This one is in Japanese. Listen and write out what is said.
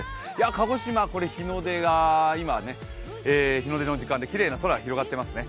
鹿児島、日の出が今、日の出の時間できれいな空広がっていますね。